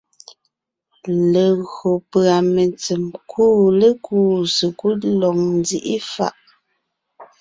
Legÿo pʉ́a mentsèm kuʼu lékúu sekúd lɔg nzíʼi fàʼ,